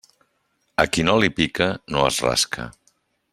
A qui no li pica, no es rasca.